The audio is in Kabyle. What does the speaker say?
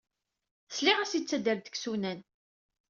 Sliɣ-as yettader-d deg yisunan.